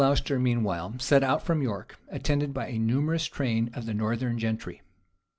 The duke of Glocester, meanwhile, set out from York, attended by a numerous train of the northern gentry.